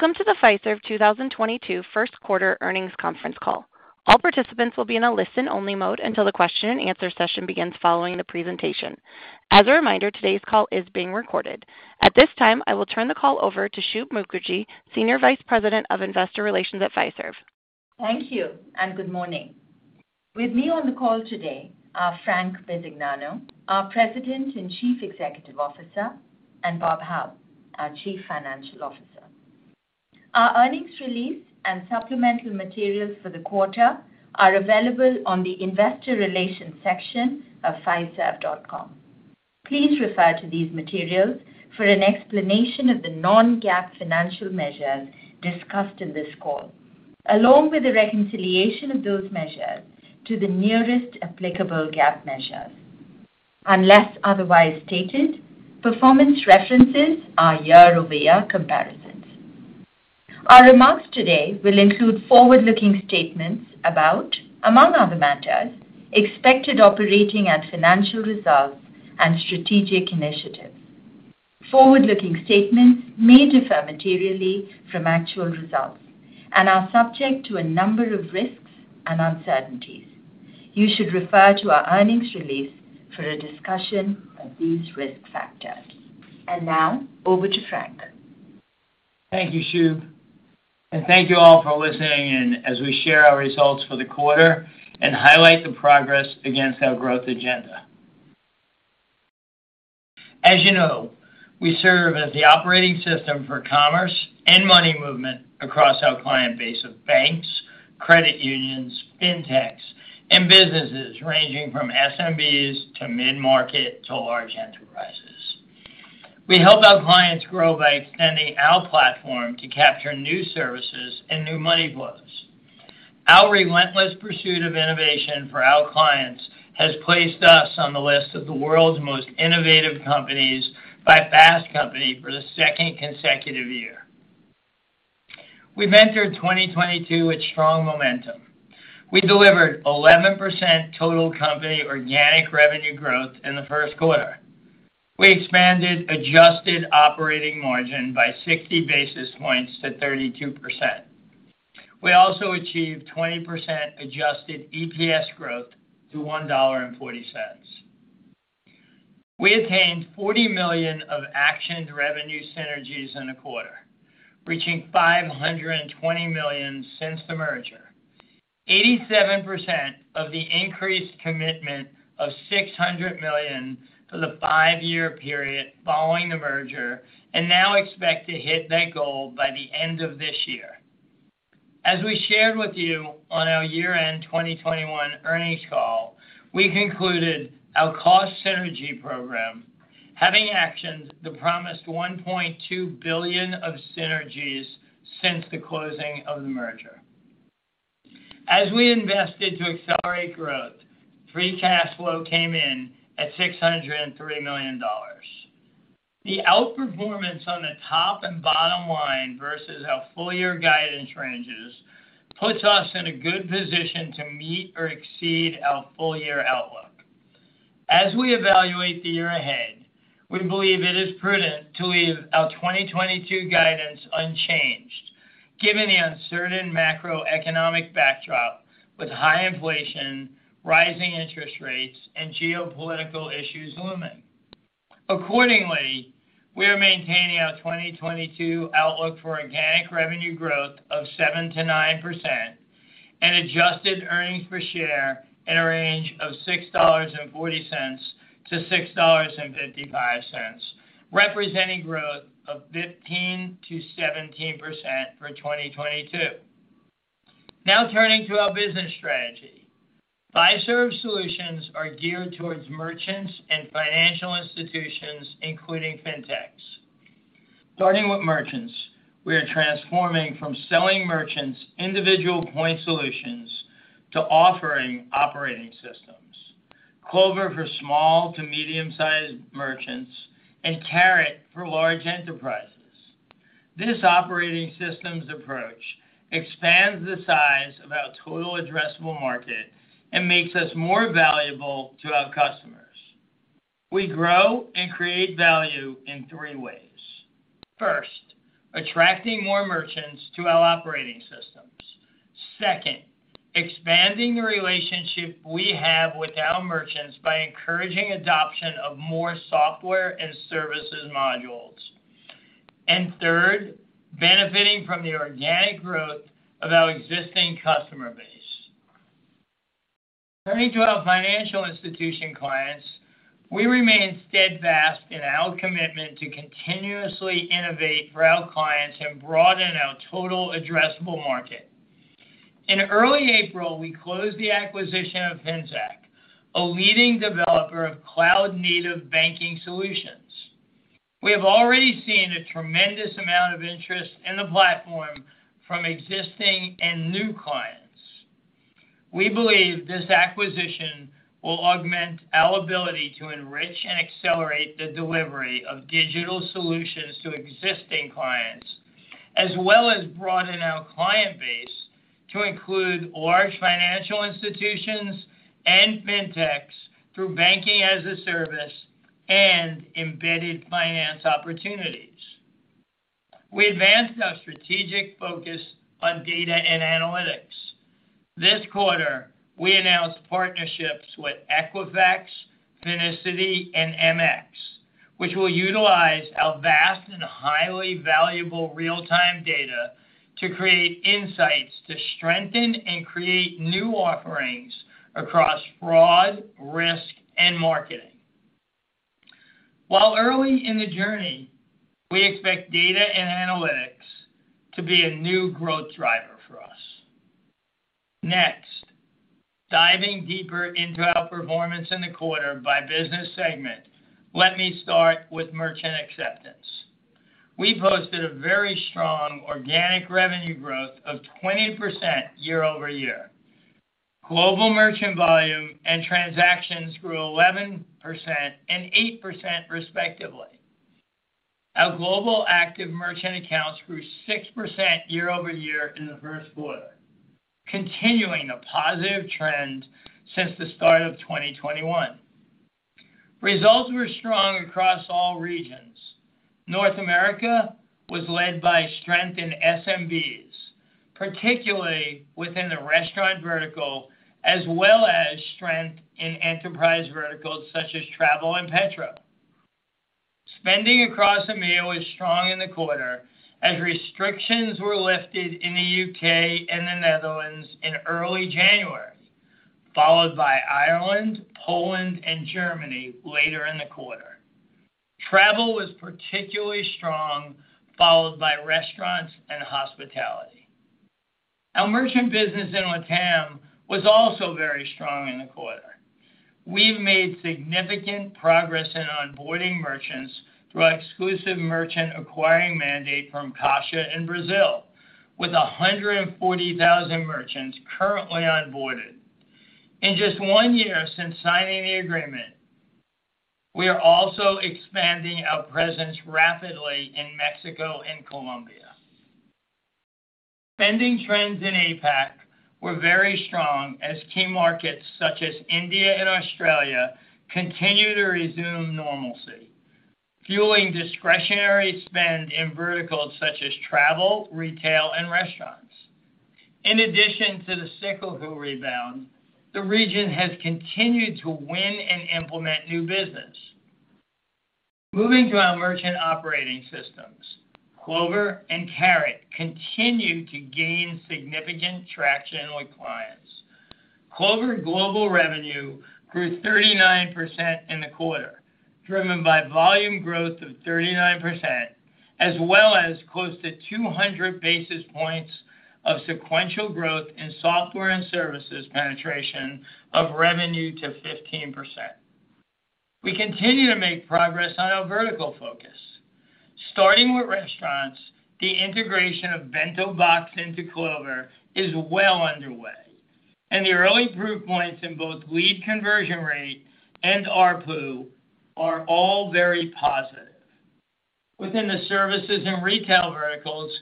Welcome to the Fiserv 2022 first quarter earnings conference call. All participants will be in a listen-only mode until the question-and-answer session begins following the presentation. As a reminder, today's call is being recorded. At this time, I will turn the call over to Shub Mukherjee, Senior Vice President, Investor Relations at Fiserv. Thank you and good morning. With me on the call today are Frank Bisignano, our President and Chief Executive Officer, and Bob Hau, our Chief Financial Officer. Our earnings release and supplemental materials for the quarter are available on the investor relations section of fiserv.com. Please refer to these materials for an explanation of the non-GAAP financial measures discussed in this call, along with the reconciliation of those measures to the nearest applicable GAAP measures. Unless otherwise stated, performance references are year-over-year comparisons. Our remarks today will include forward-looking statements about, among other matters, expected operating and financial results and strategic initiatives. Forward-looking statements may differ materially from actual results and are subject to a number of risks and uncertainties. You should refer to our earnings release for a discussion of these risk factors. Now over to Frank. Thank you, Shub, and thank you all for listening in as we share our results for the quarter and highlight the progress against our growth agenda. As you know, we serve as the operating system for commerce and money movement across our client base of banks, credit unions, fintechs, and businesses ranging from SMBs to mid-market to large enterprises. We help our clients grow by extending our platform to capture new services and new money flows. Our relentless pursuit of innovation for our clients has placed us on the list of the world's most innovative companies by Fast Company for the second consecutive year. We've entered 2022 with strong momentum. We delivered 11% total company organic revenue growth in the first quarter. We expanded adjusted operating margin by 60 basis points to 32%. We also achieved 20% adjusted EPS growth to $1.40. We attained $40 million of actioned revenue synergies in a quarter, reaching $520 million since the merger. 87% of the increased commitment of $600 million for the five-year period following the merger, and now expect to hit that goal by the end of this year. As we shared with you on our year-end 2021 earnings call, we concluded our cost synergy program, having actioned the promised $1.2 billion of synergies since the closing of the merger. As we invested to accelerate growth, free cash flow came in at $603 million. The outperformance on the top and bottom line versus our full year guidance ranges puts us in a good position to meet or exceed our full year outlook. As we evaluate the year ahead, we believe it is prudent to leave our 2022 guidance unchanged, given the uncertain macroeconomic backdrop with high inflation, rising interest rates, and geopolitical issues looming. Accordingly, we are maintaining our 2022 outlook for organic revenue growth of 7%-9% and adjusted earnings per share in a range of $6.40-$6.55, representing growth of 15%-17% for 2022. Now turning to our business strategy. Fiserv solutions are geared towards merchants and financial institutions, including fintechs. Starting with merchants, we are transforming from selling merchants individual point solutions to offering operating systems, Clover for small to medium-sized merchants and Carat for large enterprises. This operating systems approach expands the size of our total addressable market and makes us more valuable to our customers. We grow and create value in three ways. First, attracting more merchants to our operating systems. Second, expanding the relationship we have with our merchants by encouraging adoption of more software and services modules. Third, benefiting from the organic growth of our existing customer base. Turning to our financial institution clients, we remain steadfast in our commitment to continuously innovate for our clients and broaden our total addressable market. In early April, we closed the acquisition of Finxact, a leading developer of cloud-native banking solutions. We have already seen a tremendous amount of interest in the platform from existing and new clients. We believe this acquisition will augment our ability to enrich and accelerate the delivery of digital solutions to existing clients, as well as broaden our client base to include large financial institutions and fintechs through banking as a service and embedded finance opportunities. We advanced our strategic focus on data and analytics. This quarter, we announced partnerships with Equifax, Finicity, and MX, which will utilize our vast and highly valuable real-time data to create insights to strengthen and create new offerings across fraud, risk, and marketing. While early in the journey, we expect data and analytics to be a new growth driver for us. Next, diving deeper into our performance in the quarter by Business segment, let me start with Merchant Acceptance. We posted a very strong organic revenue growth of 20% year-over-year. Global merchant volume and transactions grew 11% and 8% respectively. Our global active merchant accounts grew 6% year-over-year in the first quarter, continuing a positive trend since the start of 2021. Results were strong across all regions. North America was led by strength in SMBs, particularly within the restaurant vertical, as well as strength in enterprise verticals such as travel and petrol. Spending across EMEA was strong in the quarter as restrictions were lifted in the U.K. and the Netherlands in early January, followed by Ireland, Poland, and Germany later in the quarter. Travel was particularly strong, followed by restaurants and hospitality. Our merchant business in LATAM was also very strong in the quarter. We've made significant progress in onboarding merchants through our exclusive merchant acquiring mandate from Caixa in Brazil with 140,000 merchants currently onboarded. In just one year since signing the agreement, we are also expanding our presence rapidly in Mexico and Colombia. Spending trends in APAC were very strong as key markets such as India and Australia continue to resume normalcy, fueling discretionary spend in verticals such as travel, retail, and restaurants. In addition to the cyclical rebound, the region has continued to win and implement new business. Moving to our merchant operating systems, Clover and Carat continue to gain significant traction with clients. Clover global revenue grew 39% in the quarter, driven by volume growth of 39% as well as close to 200 basis points of sequential growth in software and services penetration of revenue to 15%. We continue to make progress on our vertical focus. Starting with restaurants, the integration of BentoBox into Clover is well underway, and the early proof points in both lead conversion rate and ARPU are all very positive. Within the services and retail verticals,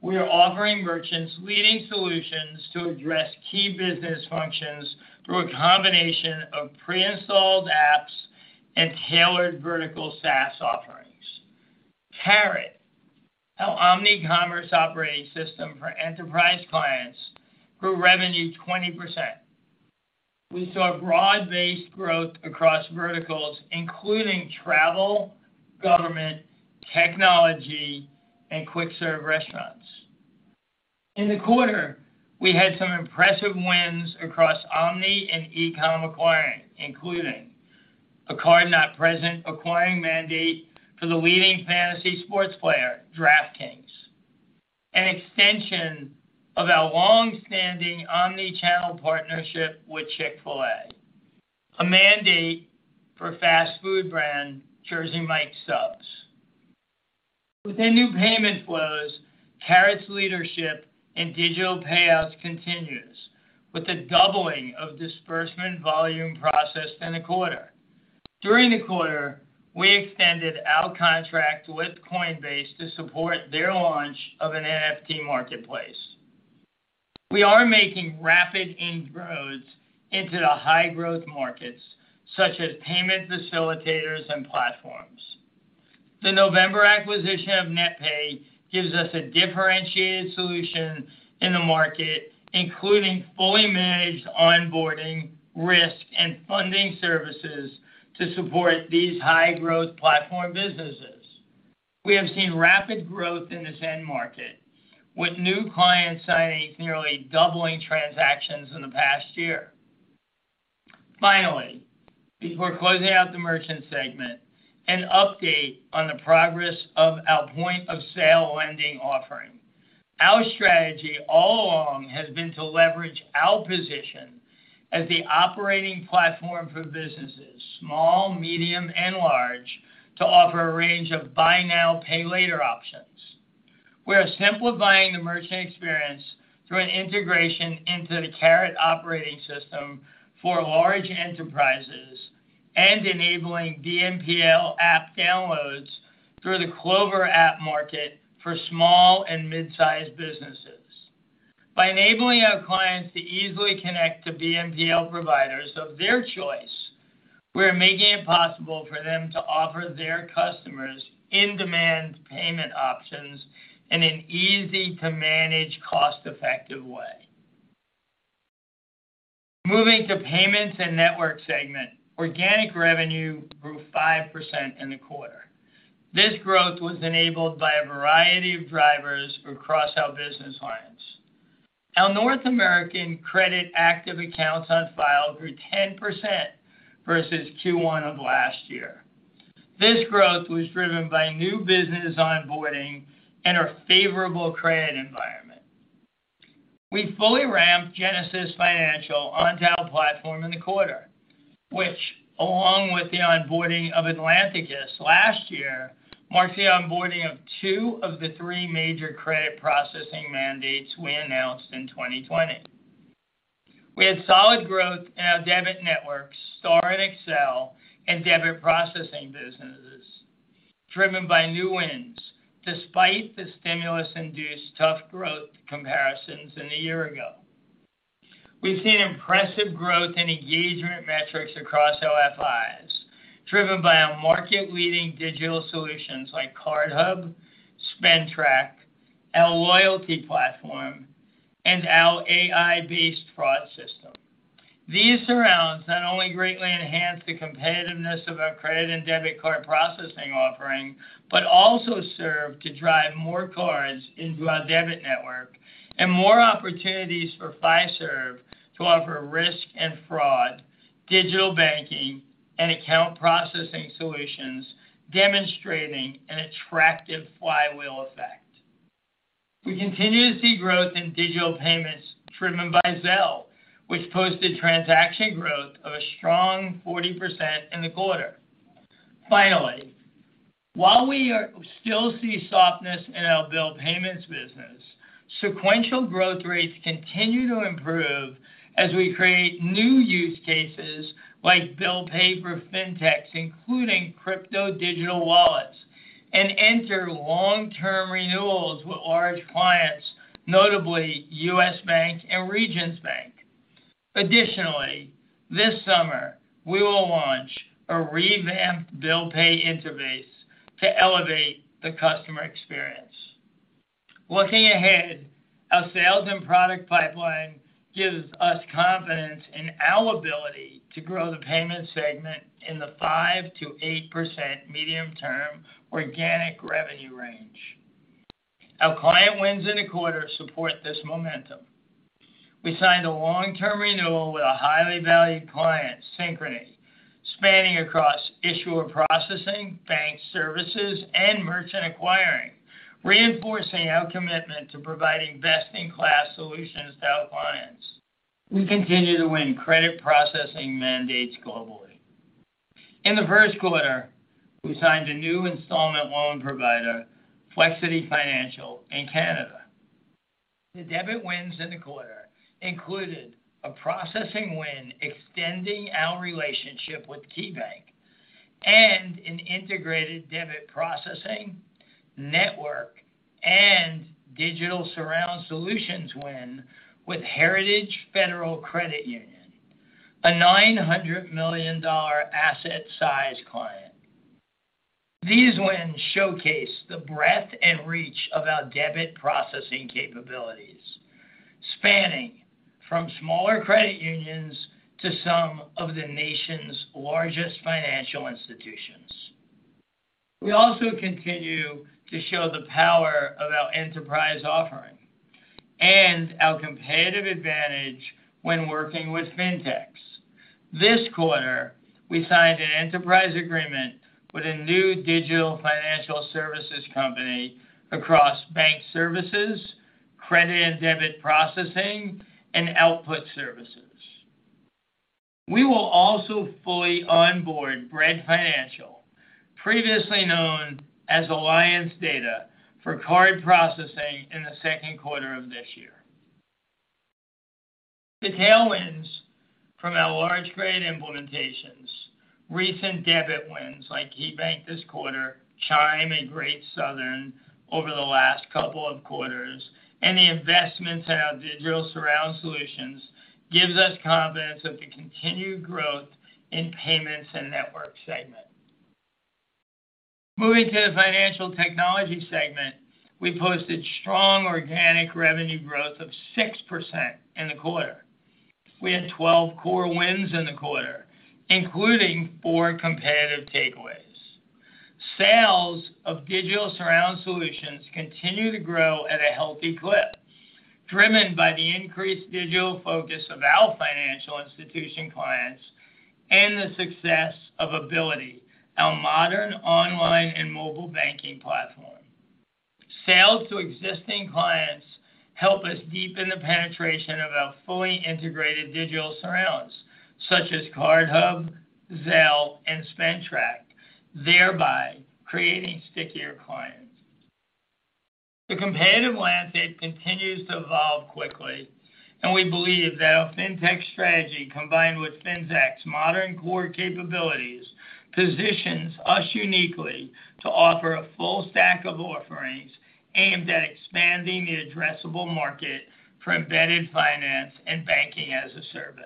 we are offering merchants leading solutions to address key business functions through a combination of pre-installed apps and tailored vertical SaaS offerings. Carat, our omnicommerce operating system for enterprise clients, grew revenue 20%. We saw broad-based growth across verticals, including travel, government, technology, and quick serve restaurants. In the quarter, we had some impressive wins across omni and eCom acquiring, including a card-not-present acquiring mandate for the leading fantasy sports player, DraftKings, an extension of our long-standing omni-channel partnership with Chick-fil-A, a mandate for fast food brand Jersey Mike's Subs. Within new payment flows, Carat's leadership in digital payouts continues with the doubling of disbursement volume processed in the quarter. During the quarter, we extended our contract with Coinbase to support their launch of an NFT marketplace. We are making rapid inroads into the high-growth markets, such as payment facilitators and platforms. The November acquisition of NetPay gives us a differentiated solution in the market, including fully managed onboarding, risk, and funding services to support these high-growth platform businesses. We have seen rapid growth in this end market with new client signings nearly doubling transactions in the past year. Finally, before closing out the Merchant segment, an update on the progress of our point of sale lending offering. Our strategy all along has been to leverage our position as the operating platform for businesses, small, medium, and large, to offer a range of buy now, pay later options. We are simplifying the merchant experience through an integration into the Carat operating system for large enterprises and enabling BNPL app downloads through the Clover app market for small and mid-sized businesses. By enabling our clients to easily connect to BNPL providers of their choice, we are making it possible for them to offer their customers in-demand payment options in an easy to manage, cost-effective way. Moving to Payments and Network segment. Organic revenue grew 5% in the quarter. This growth was enabled by a variety of drivers across our business lines. Our North American credit active accounts on file grew 10% versus Q1 of last year. This growth was driven by new business onboarding and a favorable credit environment. We fully ramped Genesis Financial onto our platform in the quarter, which along with the onboarding of Atlanticus last year, marks the onboarding of two of the three major credit processing mandates we announced in 2020. We had solid growth in our debit network, STAR and Accel, and debit processing businesses driven by new wins despite the stimulus-induced tough growth comparisons from a year ago. We've seen impressive growth in engagement metrics across our FIs, driven by our market-leading digital solutions like CardHub, SpendTrack, our loyalty platform, and our AI-based fraud system. These solutions not only greatly enhance the competitiveness of our credit and debit card processing offering, but also serve to drive more cards into our debit network and more opportunities for Fiserv to offer risk and fraud, digital banking, and account processing solutions, demonstrating an attractive flywheel effect. We continue to see growth in digital payments driven by Zelle, which posted transaction growth of a strong 40% in the quarter. Finally, while we are still seeing softness in our bill payments business, sequential growth rates continue to improve as we create new use cases like Bill Pay for fintechs, including crypto digital wallets, and enter long-term renewals with large clients, notably U.S. Bank and Regions Bank. Additionally, this summer, we will launch a revamped Bill Pay interface to elevate the customer experience. Looking ahead, our sales and product pipeline gives us confidence in our ability to grow the Payment segment in the 5%-8% medium-term organic revenue range. Our client wins in the quarter support this momentum. We signed a long-term renewal with a highly valued client, Synchrony, spanning across issuer processing, bank services, and merchant acquiring, reinforcing our commitment to providing best-in-class solutions to our clients. We continue to win credit processing mandates globally. In the first quarter, we signed a new installment loan provider, Flexiti Financial, in Canada. The debit wins in the quarter included a processing win extending our relationship with KeyBank and an integrated debit processing network and digital surround solutions win with Heritage Federal Credit Union, a $900 million asset size client. These wins showcase the breadth and reach of our debit processing capabilities, spanning from smaller credit unions to some of the nation's largest financial institutions. We also continue to show the power of our enterprise offering and our competitive advantage when working with fintechs. This quarter, we signed an enterprise agreement with a new digital financial services company across bank services, credit and debit processing, and output services. We will also fully onboard Bread Financial, previously known as Alliance Data, for card processing in the second quarter of this year. The tailwinds from our large-scale implementations, recent debit wins like KeyBank this quarter, Chime and Great Southern Bank over the last couple of quarters, and the investments in our digital surround solutions gives us confidence of the continued growth in Payments and Network segment. Moving to the Financial Technology segment, we posted strong organic revenue growth of 6% in the quarter. We had 12 core wins in the quarter, including four competitive takeaways. Sales of digital surround solutions continue to grow at a healthy clip, driven by the increased digital focus of our financial institution clients and the success of Abiliti, our modern online and mobile banking platform. Sales to existing clients help us deepen the penetration of our fully integrated digital surrounds, such as CardHub, Zelle, and SpendTrack, thereby creating stickier clients. The competitive landscape continues to evolve quickly, and we believe that our fintech strategy, combined with Finxact's modern core capabilities, positions us uniquely to offer a full stack of offerings aimed at expanding the addressable market for embedded finance and banking-as-a-service.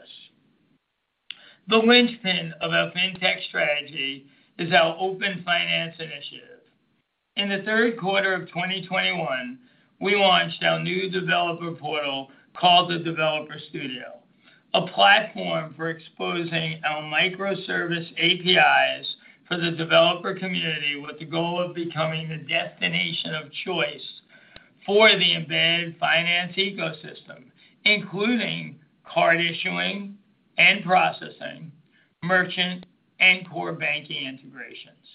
The linchpin of our fintech strategy is our open finance initiative. In the third quarter of 2021, we launched our new developer portal called the Developer Studio, a platform for exposing our microservice APIs for the developer community with the goal of becoming the destination of choice for the embedded finance ecosystem, including card issuing and processing, merchant and core banking integrations.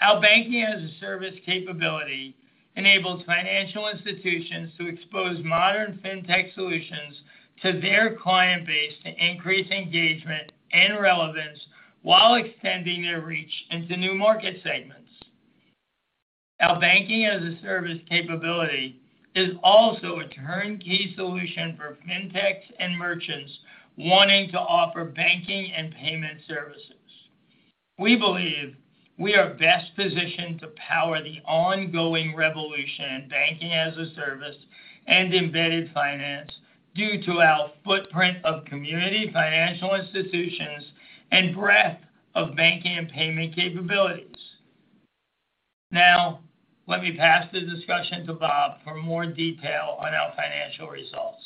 Our banking-as-a-service capability enables financial institutions to expose modern fintech solutions to their client base to increase engagement and relevance while extending their reach into new market segments. Our banking-as-a-service capability is also a turnkey solution for fintechs and merchants wanting to offer banking and payment services. We believe we are best positioned to power the ongoing revolution in banking-as-a-service and embedded finance due to our footprint of community financial institutions and breadth of banking and payment capabilities. Now let me pass the discussion to Bob for more detail on our financial results.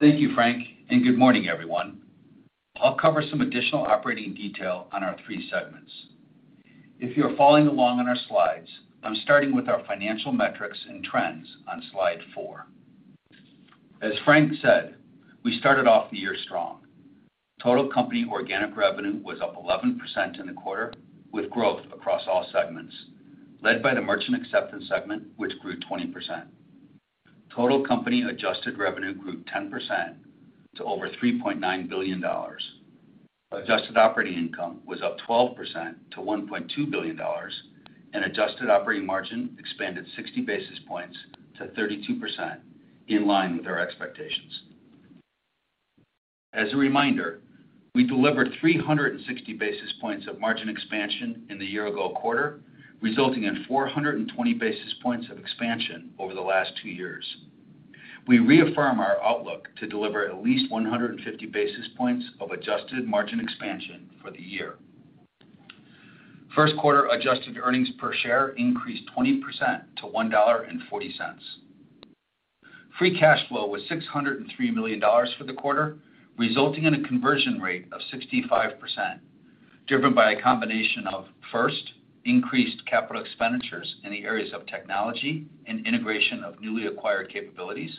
Thank you, Frank, and good morning, everyone. I'll cover some additional operating detail on our three segments. If you're following along on our slides, I'm starting with our financial metrics and trends on slide four. As Frank said, we started off the year strong. Total company organic revenue was up 11% in the quarter, with growth across all segments, led by the Merchant Acceptance segment, which grew 20%. Total company adjusted revenue grew 10% to over $3.9 billion. Adjusted operating income was up 12% to $1.2 billion, and adjusted operating margin expanded 60 basis points to 32% in line with our expectations. As a reminder, we delivered 360 basis points of margin expansion in the year-ago quarter, resulting in 420 basis points of expansion over the last two years. We reaffirm our outlook to deliver at least 150 basis points of adjusted margin expansion for the year. First quarter adjusted earnings per share increased 20% to $1.40. Free cash flow was $603 million for the quarter, resulting in a conversion rate of 65%, driven by a combination of, first, increased capital expenditures in the areas of technology and integration of newly acquired capabilities.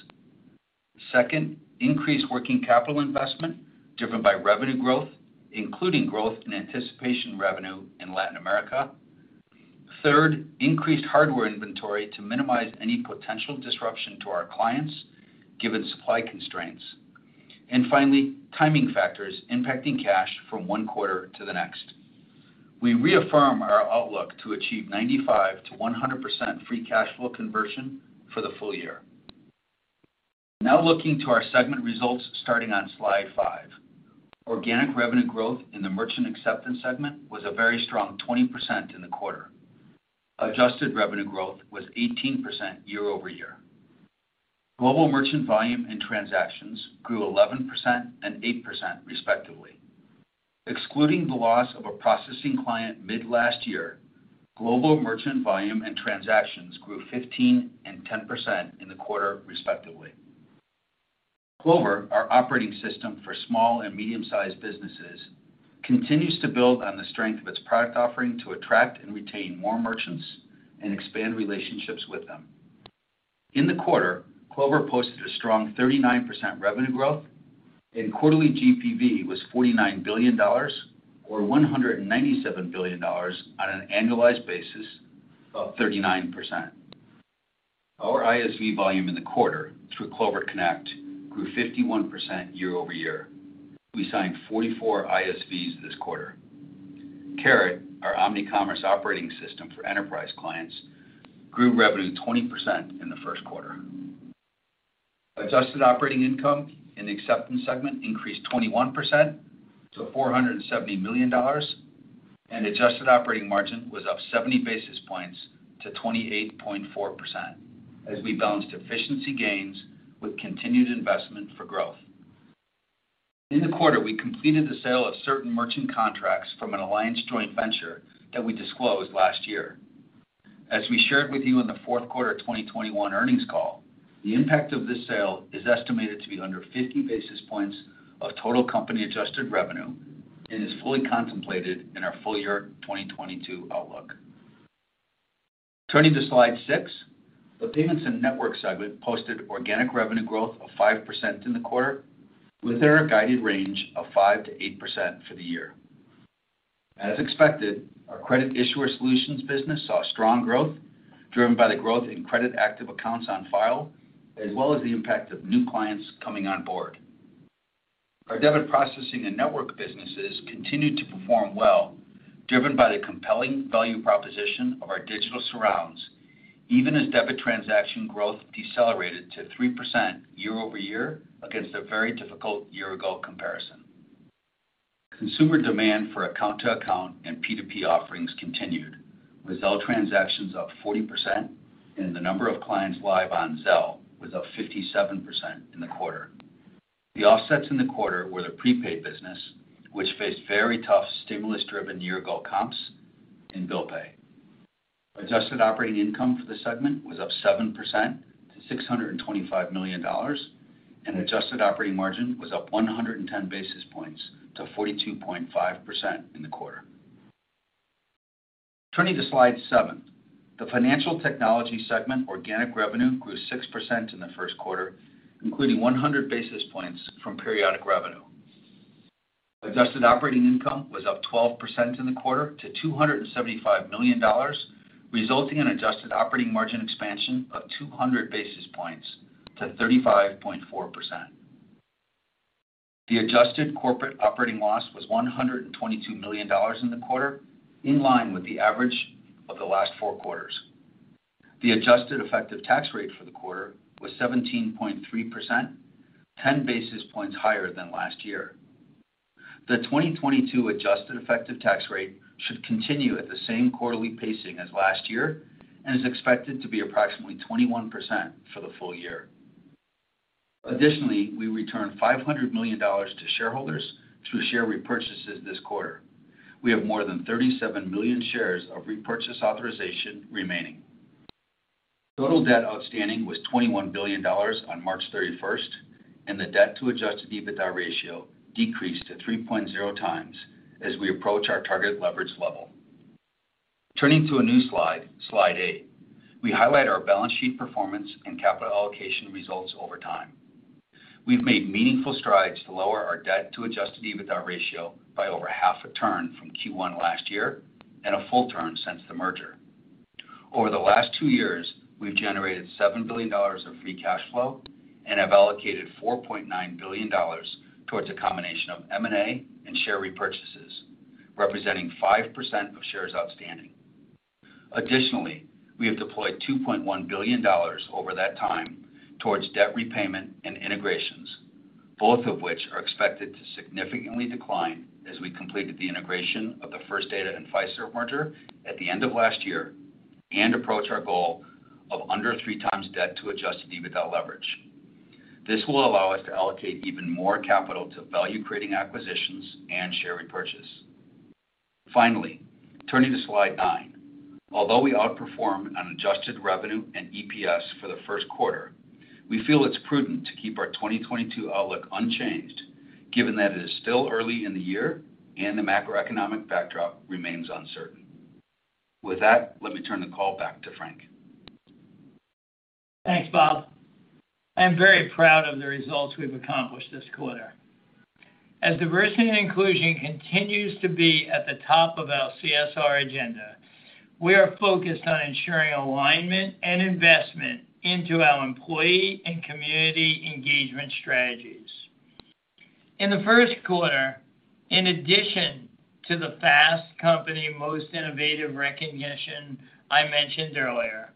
Second, increased working capital investment driven by revenue growth, including growth in anticipation revenue in Latin America. Third, increased hardware inventory to minimize any potential disruption to our clients, given supply constraints. And finally, timing factors impacting cash from one quarter to the next. We reaffirm our outlook to achieve 95%-100% free cash flow conversion for the full year. Now looking to our segment results starting on slide five. Organic revenue growth in the Merchant Acceptance segment was a very strong 20% in the quarter. Adjusted revenue growth was 18% year-over-year. Global merchant volume and transactions grew 11% and 8% respectively. Excluding the loss of a processing client mid last year, global merchant volume and transactions grew 15% and 10% in the quarter, respectively. Clover, our operating system for small and medium-sized businesses, continues to build on the strength of its product offering to attract and retain more merchants and expand relationships with them. In the quarter, Clover posted a strong 39% revenue growth and quarterly GPV was $49 billion or $197 billion on an annualized basis of 39%. Our ISV volume in the quarter through Clover Connect grew 51% year-over-year. We signed 44 ISVs this quarter. Carat, our omnicommerce operating system for enterprise clients, grew revenue 20% in the first quarter. Adjusted operating income in the Acceptance segment increased 21% to $470 million, and adjusted operating margin was up 70 basis points to 28.4% as we balanced efficiency gains with continued investment for growth. In the quarter, we completed the sale of certain merchant contracts from an Alliance joint venture that we disclosed last year. As we shared with you in the fourth quarter of 2021 earnings call, the impact of this sale is estimated to be under 50 basis points of total company adjusted revenue and is fully contemplated in our full year 2022 outlook. Turning to slide six. The Payments and Networks segment posted organic revenue growth of 5% in the quarter, within our guided range of 5%-8% for the year. As expected, our credit issuer solutions business saw strong growth driven by the growth in credit active accounts on file, as well as the impact of new clients coming on board. Our debit processing and network businesses continued to perform well, driven by the compelling value proposition of our digital surrounds, even as debit transaction growth decelerated to 3% year-over-year against a very difficult year-ago comparison. Consumer demand for account to account and P2P offerings continued, with Zelle transactions up 40% and the number of clients live on Zelle was up 57% in the quarter. The offsets in the quarter were the prepaid business, which faced very tough stimulus-driven year-ago comps and Bill Pay. Adjusted operating income for the segment was up 7% to $625 million, and adjusted operating margin was up 110 basis points to 42.5% in the quarter. Turning to slide seven. The Financial Technology segment organic revenue grew 6% in the first quarter, including 100 basis points from periodic revenue. Adjusted operating income was up 12% in the quarter to $275 million, resulting in adjusted operating margin expansion of 200 basis points to 35.4%. The adjusted corporate operating loss was $122 million in the quarter, in line with the average of the last four quarters. The adjusted effective tax rate for the quarter was 17.3%, 10 basis points higher than last year. The 2022 adjusted effective tax rate should continue at the same quarterly pacing as last year and is expected to be approximately 21% for the full year. Additionally, we returned $500 million to shareholders through share repurchases this quarter. We have more than 37 million shares of repurchase authorization remaining. Total debt outstanding was $21 billion on March 31st, and the debt to adjusted EBITDA ratio decreased to 3.0x as we approach our target leverage level. Turning to a new slide, slide eight, we highlight our balance sheet performance and capital allocation results over time. We've made meaningful strides to lower our debt to adjusted EBITDA ratio by over half a turn from Q1 last year and a full turn since the merger. Over the last two years, we've generated $7 billion of free cash flow and have allocated $4.9 billion towards a combination of M&A and share repurchases, representing 5% of shares outstanding. Additionally, we have deployed $2.1 billion over that time towards debt repayment and integrations, both of which are expected to significantly decline as we completed the integration of the First Data and Fiserv merger at the end of last year and approach our goal of under 3x debt to adjusted EBITDA leverage. This will allow us to allocate even more capital to value-creating acquisitions and share repurchase. Finally, turning to slide nine. Although we outperformed on adjusted revenue and EPS for the first quarter, we feel it's prudent to keep our 2022 outlook unchanged given that it is still early in the year and the macroeconomic backdrop remains uncertain. With that, let me turn the call back to Frank. Thanks, Bob. I am very proud of the results we've accomplished this quarter. As diversity and inclusion continues to be at the top of our CSR agenda, we are focused on ensuring alignment and investment into our employee and community engagement strategies. In the first quarter, in addition to the Fast Company Most Innovative recognition I mentioned earlier,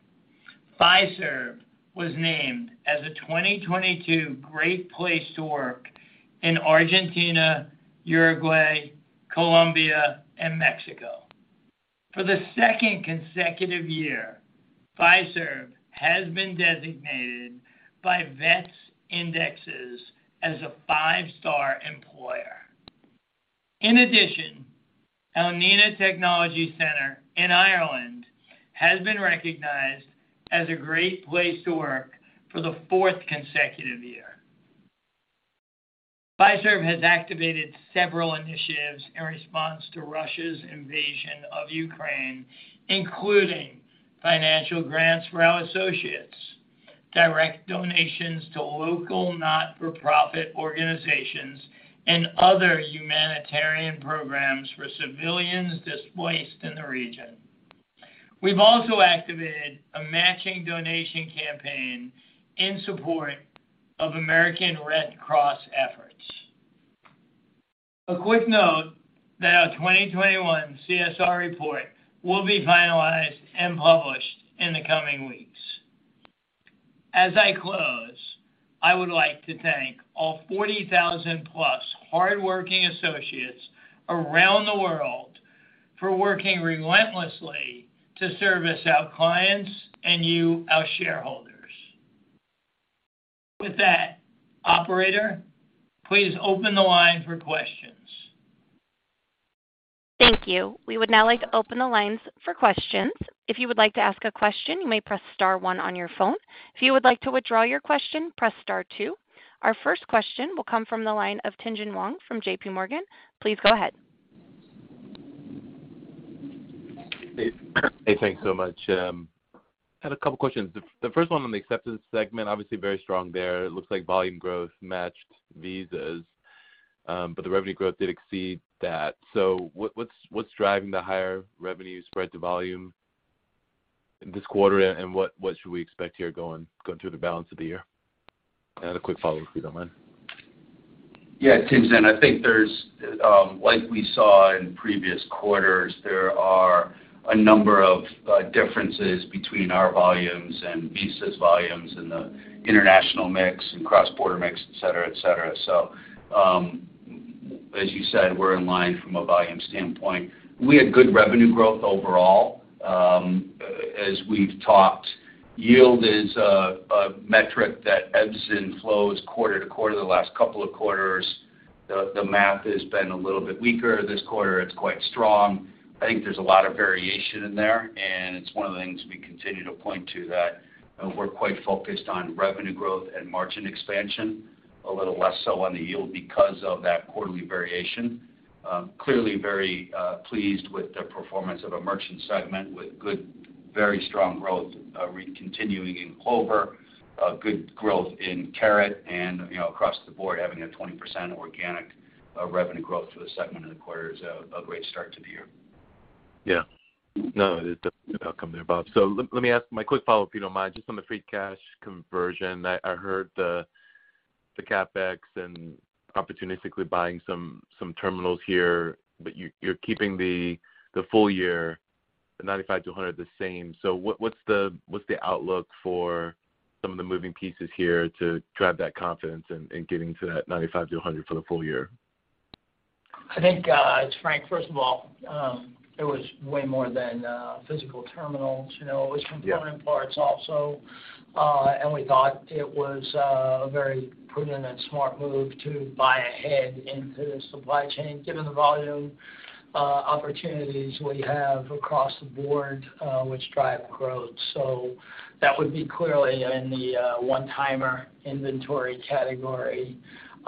Fiserv was named as a 2022 Great Place to Work in Argentina, Uruguay, Colombia, and Mexico. For the second consecutive year, Fiserv has been designated by VETS Indexes as a five-star employer. In addition, our Nenagh Technology Centre in Ireland has been recognized as a Great Place to Work for the fourth consecutive year. Fiserv has activated several initiatives in response to Russia's invasion of Ukraine, including financial grants for our associates, direct donations to local not-for-profit organizations, and other humanitarian programs for civilians displaced in the region. We've also activated a matching donation campaign in support of American Red Cross efforts. A quick note that our 2021 CSR report will be finalized and published in the coming weeks. As I close, I would like to thank all 40,000+ hardworking associates around the world for working relentlessly to service our clients and you, our shareholders. With that, operator, please open the line for questions. Thank you. We would now like to open the lines for questions. If you would like to ask a question, you may press star one on your phone. If you would like to withdraw your question, press star two. Our first question will come from the line of Tien-Tsin Huang from JPMorgan. Please go ahead. Hey. Hey, thanks so much. Had a couple questions. The first one on the acceptance segment, obviously very strong there. It looks like volume growth matched Visa’s, but the revenue growth did exceed that. What’s driving the higher revenue spread to volume in this quarter and what should we expect here going through the balance of the year? I had a quick follow-up, if you don’t mind. Yeah, Tien-Tsin Huang, I think there's, like we saw in previous quarters, there are a number of differences between our volumes and Visa's volumes and the international mix and cross-border mix, et cetera, et cetera. As you said, we're in line from a volume standpoint. We had good revenue growth overall. As we've talked, yield is a metric that ebbs and flows quarter to quarter. The last couple of quarters, the math has been a little bit weaker. This quarter, it's quite strong. I think there's a lot of variation in there, and it's one of the things we continue to point to that we're quite focused on revenue growth and margin expansion, a little less so on the yield because of that quarterly variation. Clearly very pleased with the performance of our merchant segment with good, very strong growth, continuing in Clover, good growth in Carat and, you know, across the board, having a 20% organic revenue growth for the segment of the quarter is a great start to the year. Yeah. No, it definitely did outperform there, Bob. Let me ask my quick follow-up, if you don't mind, just on the free cash conversion. I heard the CapEx and opportunistically buying some terminals here, but you're keeping the full year, the 95%-100% the same. What's the outlook for some of the moving pieces here to drive that confidence in getting to that 95%-100% for the full year? I think, it's Frank, first of all, it was way more than physical terminals, you know. Yeah. Component parts also. We thought it was a very prudent and smart move to buy ahead into the supply chain, given the volume opportunities we have across the board, which drive growth. That would be clearly in the one-timer inventory category.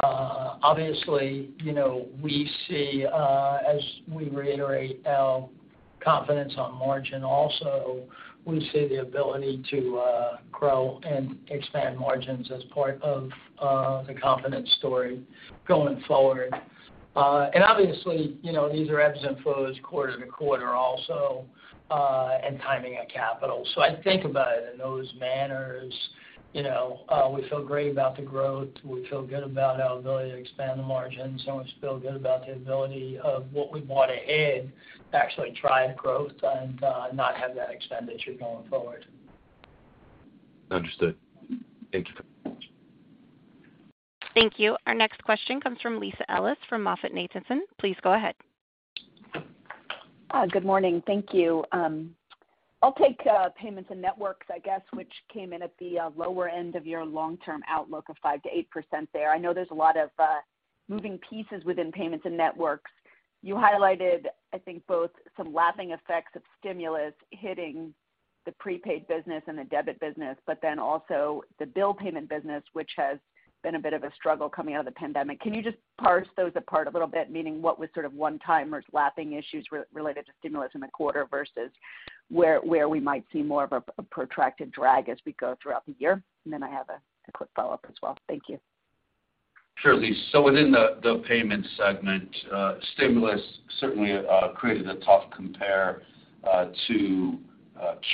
Obviously, you know, we see as we reiterate our confidence on margin also, we see the ability to grow and expand margins as part of the confidence story going forward. Obviously, you know, these are ebbs and flows quarter to quarter also and timing of capital. I think about it in those manners. You know, we feel great about the growth. We feel good about our ability to expand the margins, and we feel good about the ability of what we bought ahead to actually drive growth and not have that expenditure going forward. Understood. Thank you. Thank you. Our next question comes from Lisa Ellis from MoffettNathanson. Please go ahead. Hi, good morning. Thank you. I'll take Payments and Networks, I guess, which came in at the lower end of your long-term outlook of 5%-8% there. I know there's a lot of moving pieces within Payments and Networks. You highlighted, I think, both some lapping effects of stimulus hitting the prepaid business and the debit business, but then also the bill payment business, which has been a bit of a struggle coming out of the pandemic. Can you just parse those apart a little bit? Meaning what was sort of one-timers lapping issues related to stimulus in the quarter versus where we might see more of a protracted drag as we go throughout the year? And then I have a quick follow-up as well. Thank you. Sure, Lisa. Within the payment segment, stimulus certainly created a tough compare to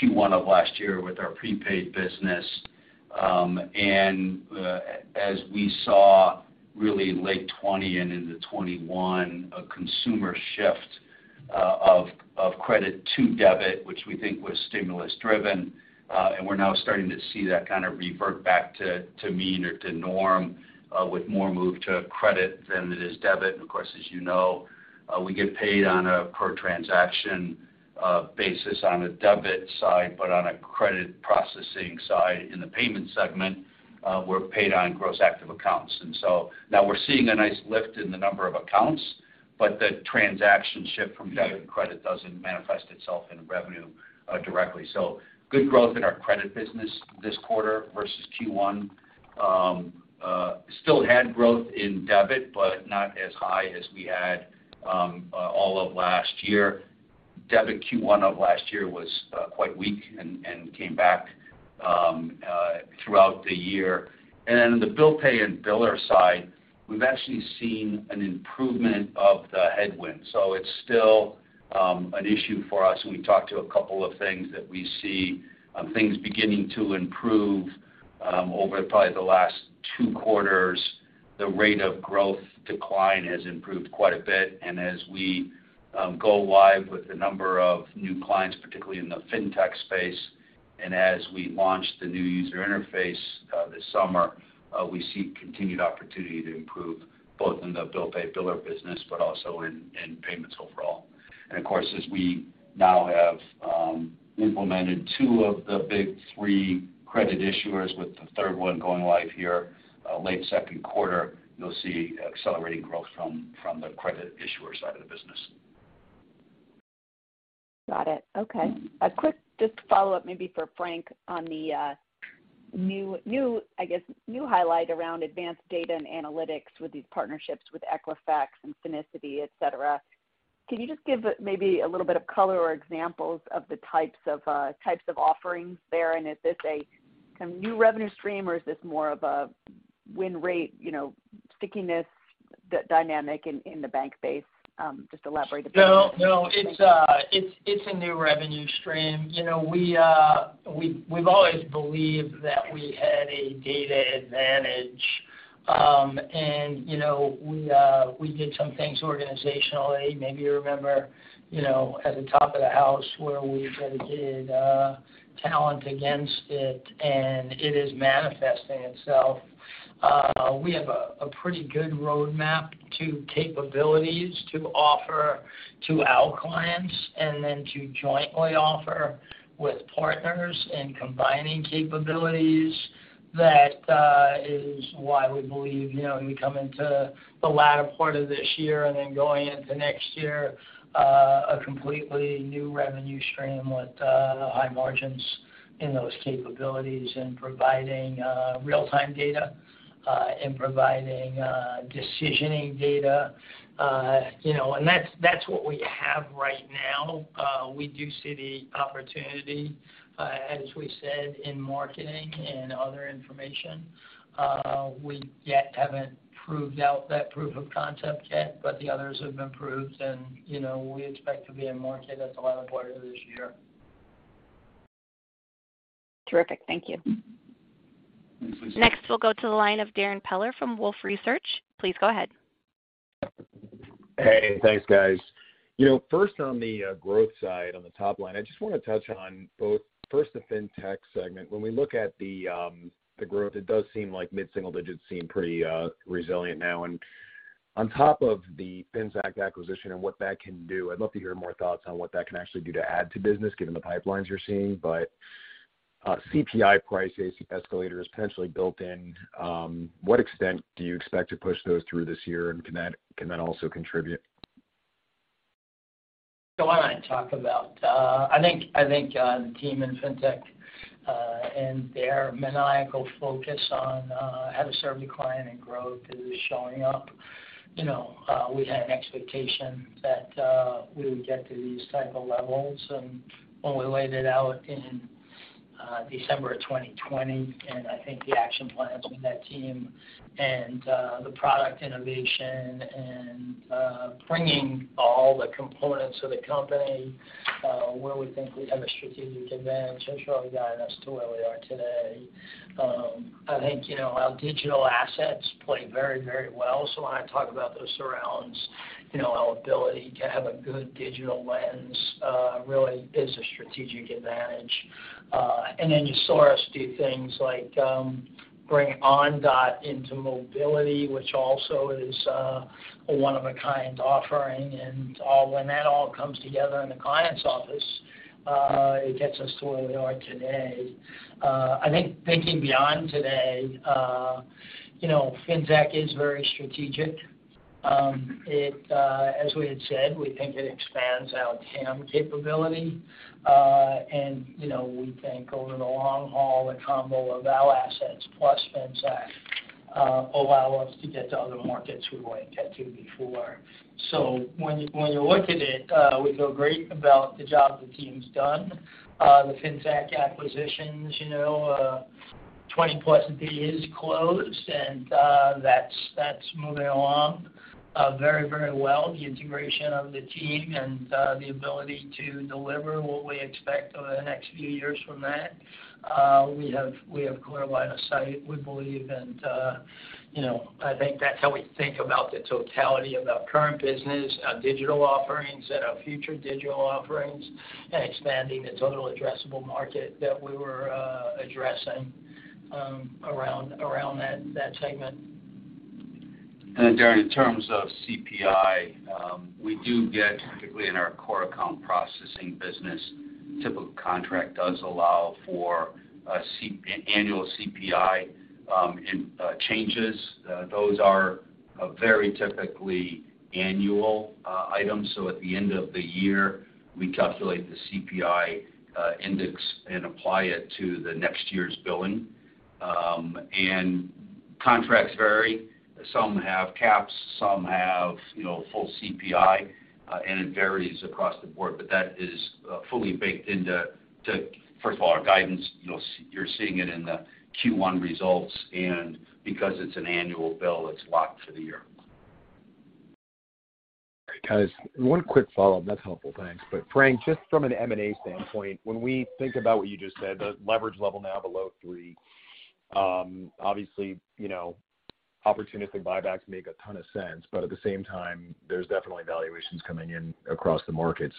Q1 of last year with our prepaid business. As we saw really late 2020 and into 2021, a consumer shift of credit to debit, which we think was stimulus driven, and we're now starting to see that kind of revert back to mean or to norm with more move to credit than it is debit. Of course, as you know, we get paid on a per transaction basis on a debit side, but on a credit processing side in the payment segment, we're paid on gross active accounts. Now we're seeing a nice lift in the number of accounts, but the transaction shift from debit and credit doesn't manifest itself in revenue directly. Good growth in our credit business this quarter versus Q1. Still had growth in debit, but not as high as we had all of last year. Debit Q1 of last year was quite weak and came back throughout the year. The bill pay and biller side, we've actually seen an improvement of the headwind. It's still an issue for us. We talked to a couple of things that we see, things beginning to improve over probably the last two quarters. The rate of growth decline has improved quite a bit. As we go live with the number of new clients, particularly in the fintech space, and as we launch the new user interface, this summer, we see continued opportunity to improve both in the bill pay biller business, but also in payments overall. Of course, as we now have implemented two of the big three credit issuers with the third one going live here, late second quarter, you'll see accelerating growth from the credit issuer side of the business. Got it. Okay. A quick just follow-up maybe for Frank on the new, I guess, new highlight around advanced data and analytics with these partnerships with Equifax and Finicity, et cetera. Can you just give maybe a little bit of color or examples of the types of offerings there? And is this a kind of new revenue stream, or is this more of a win rate, you know, stickiness, the dynamic in the bank space, just elaborate a bit. No, it's a new revenue stream. You know, we've always believed that we had a data advantage. You know, we did some things organizationally. Maybe you remember, you know, at the top of the house where we dedicated talent against it, and it is manifesting itself. We have a pretty good roadmap to capabilities to offer to our clients and then to jointly offer with partners and combining capabilities. That is why we believe, you know, we come into the latter part of this year and then going into next year, a completely new revenue stream with high margins in those capabilities and providing real-time data and providing decisioning data. You know, that's what we have right now. We do see the opportunity, as we said, in marketing and other information. We yet haven't proved out that proof of concept yet, but the others have been proved and, you know, we expect to be in market at the latter part of this year. Terrific. Thank you. Thanks, Lisa. Next, we'll go to the line of Darrin Peller from Wolfe Research. Please go ahead. Hey, thanks, guys. You know, first on the growth side, on the top line, I just wanna touch on both first the Fintech segment. When we look at the growth, it does seem like mid-single digits seem pretty resilient now. On top of the Finxact acquisition and what that can do, I'd love to hear more thoughts on what that can actually do to add to business given the pipelines you're seeing. CPI price escalators potentially built in, what extent do you expect to push those through this year? Can that also contribute? Why don't I talk about the team in fintech and their maniacal focus on how to serve the client and growth is showing up. You know, we had an expectation that we would get to these type of levels and when we laid it out in December of 2020, and I think the action plans with that team and the product innovation and bringing all the components of the company where we think we have a strategic advantage have surely gotten us to where we are today. I think, you know, our digital assets play very, very well. When I talk about those surrounds, you know, our ability to have a good digital lens really is a strategic advantage. You saw us do things like bring Ondot into mobility, which also is a one of a kind offering. When that all comes together in the client's office, it gets us to where we are today. I think thinking beyond today, you know, Finxact is very strategic. It, as we had said, we think it expands our TAM capability. You know, we think over the long haul, a combo of our assets plus Finxact allow us to get to other markets we wouldn't get to before. When you look at it, we feel great about the job the team's done. The Finxact acquisitions, you know, 20+ deals closed, and that's moving along very, very well. The integration of the team and the ability to deliver what we expect over the next few years from that, we have clear line of sight, we believe. You know, I think that's how we think about the totality of our current business, our digital offerings and our future digital offerings, and expanding the total addressable market that we were addressing around that segment. Darrin, in terms of CPI, we do get typically in our core account processing business, typical contract does allow for a CPI annual CPI, in changes. Those are very typically annual items. At the end of the year, we calculate the CPI index and apply it to the next year's billing. Contracts vary. Some have caps, some have, you know, full CPI, and it varies across the board. That is fully baked into, first of all, our guidance. You're seeing it in the Q1 results, and because it's an annual bill, it's locked for the year. Great, guys. One quick follow-up. That's helpful. Thanks. Frank, just from an M&A standpoint, when we think about what you just said, the leverage level now below three, obviously, you know, opportunistic buybacks make a ton of sense. At the same time, there's definitely valuations coming in across the market.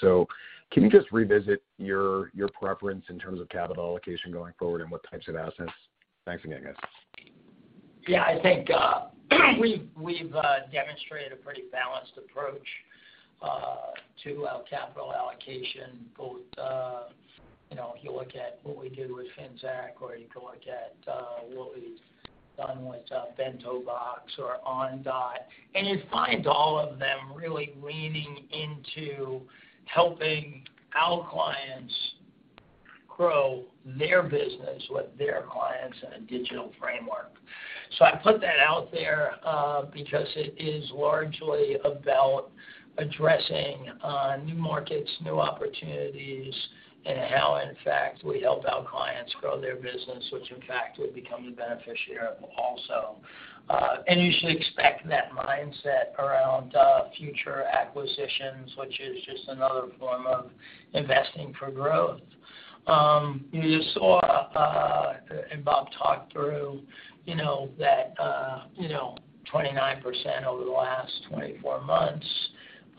Can you just revisit your preference in terms of capital allocation going forward and what types of assets? Thanks again, guys. Yeah. I think we've demonstrated a pretty balanced approach to our capital allocation, both you know, if you look at what we did with Finxact or you can look at what we've done with BentoBox or Ondot. You find all of them really leaning into helping our clients. Grow their business with their clients in a digital framework. I put that out there because it is largely about addressing new markets, new opportunities, and how, in fact, we help our clients grow their business, which in fact will become the beneficiary also. You should expect that mindset around future acquisitions, which is just another form of investing for growth. You saw, and Bob talked through, you know, that, you know, 29% over the last 24 months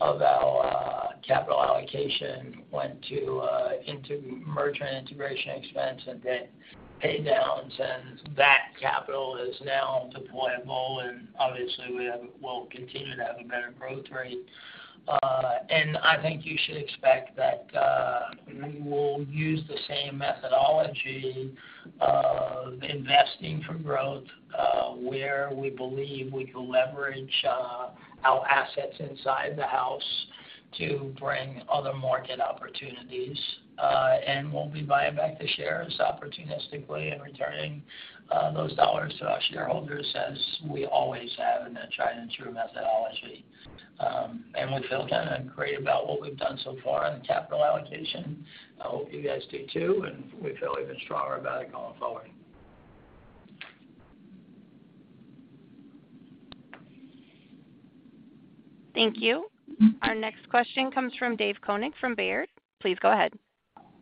of our capital allocation went to into merchant integration expense and debt pay downs, and that capital is now deployable, and obviously we'll continue to have a better growth rate. I think you should expect that we will use the same methodology of investing for growth, where we believe we can leverage our assets inside the house to bring other market opportunities. We'll be buying back the shares opportunistically and returning those dollars to our shareholders as we always have in a tried and true methodology. We feel kind of great about what we've done so far on the capital allocation. I hope you guys do too, and we feel even stronger about it going forward. Thank you. Our next question comes from Dave Koning from Baird. Please go ahead.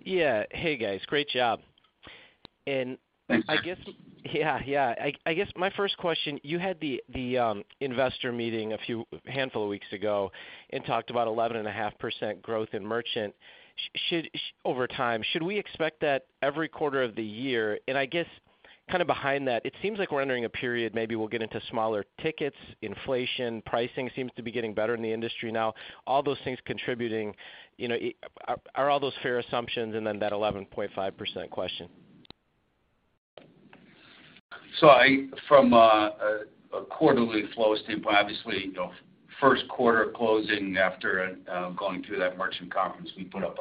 Yeah. Hey, guys. Great job. Thanks. Yeah, yeah. I guess my first question, you had the investor meeting a handful of weeks ago and talked about 11.5% growth in merchant over time. Should we expect that every quarter of the year? I guess kind of behind that, it seems like we're entering a period maybe we'll get into smaller tickets, inflation, pricing seems to be getting better in the industry now, all those things contributing. You know, are all those fair assumptions and then that 11.5% question? From a quarterly flow standpoint, obviously, you know, first quarter closing after going through that merchant conference, we put up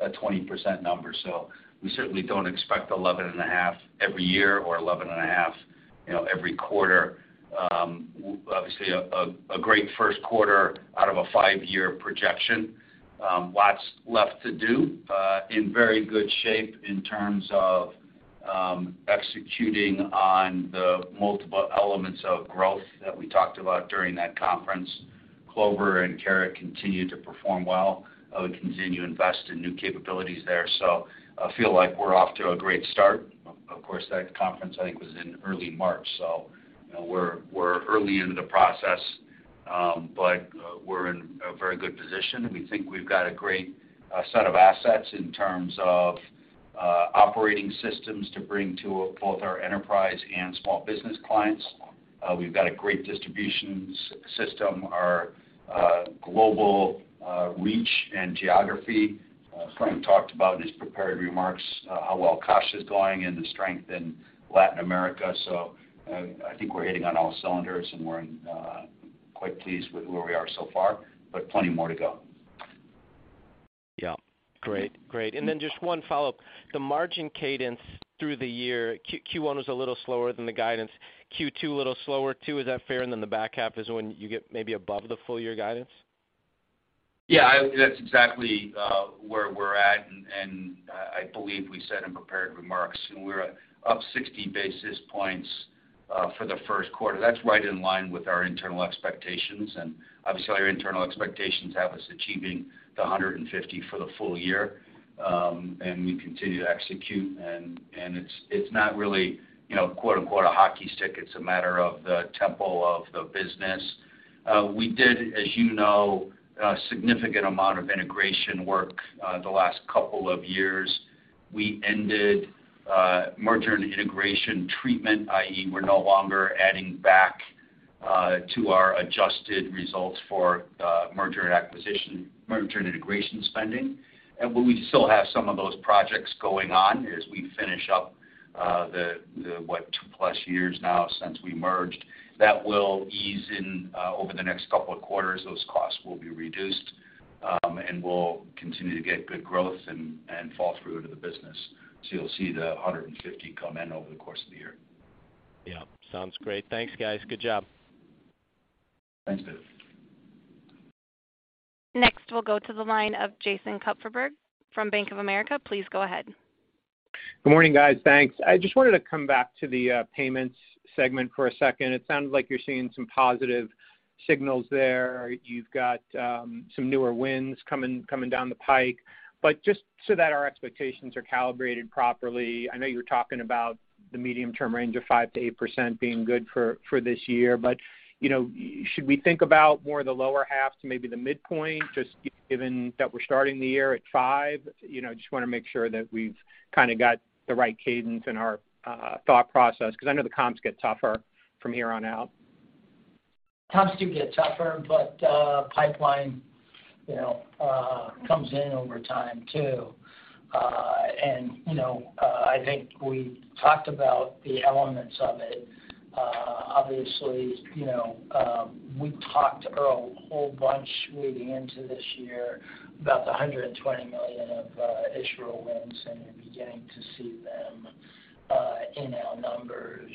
a 20% number. We certainly don't expect 11.5% every year or 11.5%, you know, every quarter. Obviously a great first quarter out of a five-year projection. Lots left to do, in very good shape in terms of executing on the multiple elements of growth that we talked about during that conference. Clover and Carat continue to perform well. I would continue to invest in new capabilities there. I feel like we're off to a great start. Of course, that conference, I think, was in early March, so you know, we're early into the process, but we're in a very good position, and we think we've got a great set of assets in terms of operating systems to bring to both our enterprise and small business clients. We've got a great distribution system. Our global reach and geography. Frank talked about in his prepared remarks how well Caixa is going and the strength in Latin America. I think we're firing on all cylinders, and we're quite pleased with where we are so far, but plenty more to go. Yeah. Great. Great. Just one follow-up. The margin cadence through the year, Q1 was a little slower than the guidance. Q2, a little slower too, is that fair? The back half is when you get maybe above the full-year guidance. Yeah, that's exactly where we're at, and I believe we said in prepared remarks, and we're up 60 basis points for the first quarter. That's right in line with our internal expectations, and obviously our internal expectations have us achieving the 150 for the full year. We continue to execute and it's not really, you know, quote-unquote, "a hockey stick." It's a matter of the tempo of the business. We did, as you know, a significant amount of integration work the last couple of years. We ended merger and integration treatment, i.e., we're no longer adding back to our adjusted results for merger and integration spending. We still have some of those projects going on as we finish up the two plus years now since we merged. That will ease in over the next couple of quarters. Those costs will be reduced and we'll continue to get good growth and fall through to the business. You'll see the $150 come in over the course of the year. Yeah. Sounds great. Thanks, guys. Good job. Thanks, Dave. Next, we'll go to the line of Jason Kupferberg from Bank of America. Please go ahead. Good morning, guys. Thanks. I just wanted to come back to the payments segment for a second. It sounds like you're seeing some positive signals there. You've got some newer wins coming down the pike. Just so that our expectations are calibrated properly, I know you're talking about the medium-term range of 5%-8% being good for this year, but you know, should we think about more the lower half to maybe the midpoint, just given that we're starting the year at 5%? You know, I just wanna make sure that we've kind of got the right cadence in our thought process, because I know the comps get tougher from here on out. Comps do get tougher, but, pipeline, you know, comes in over time too. You know, I think we talked about the elements of it. Obviously, you know, we talked, Earl, a whole bunch leading into this year about the $120 million of issue wins, and we're beginning to see them in our numbers.